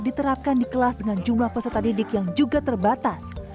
diterapkan di kelas dengan jumlah peserta didik yang juga terbatas